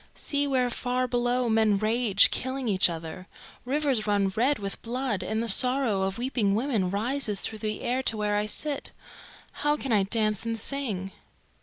"See where far below men rage, killing each other. Rivers run red with blood, and the sorrow of weeping women rises through the air to where I sit. How can I dance and sing?"